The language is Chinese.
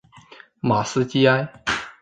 马斯基埃。